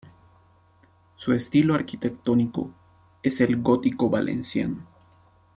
Su estilo arquitectónico es el gótico valenciano.